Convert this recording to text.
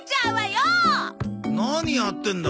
何やってんだ？